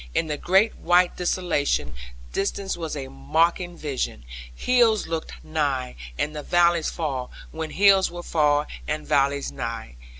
In the great white desolation, distance was a mocking vision; hills looked nigh, and valleys far; when hills were far and valleys nigh.